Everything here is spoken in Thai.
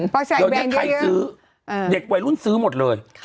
เพราะใส่แบรนด์เยอะเดี๋ยวนี้ใครซื้อเด็กวัยรุ่นซื้อหมดเลย